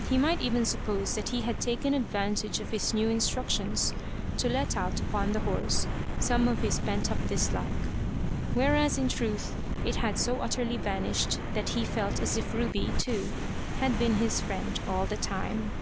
He might even suppose that he had taken advantage of his new instructions, to let out upon the horse some of his pent up dislike; whereas in truth, it had so utterly vanished that he felt as if Ruby, too, had been his friend all the time.